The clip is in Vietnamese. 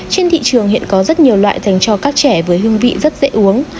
trên thị trường hiện có rất nhiều loại dành cho các trẻ với hương vị rất dễ uống